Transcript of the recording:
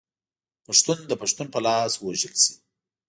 پښتون د پښتون په لاس ووژل شي.